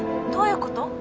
どういうこと？